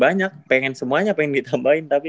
banyak pengen semuanya pengen ditambahin tapi